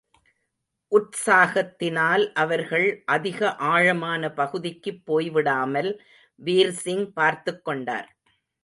உற்சாகத்தினால் அவர்கள் அதிக ஆழமான பகுதிக்குப் போய்விடாமல் வீர்சிங் பார்த்துக்கொண்டார்.